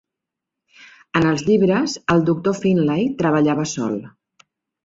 En els llibres, el Doctor Finlay treballava sol.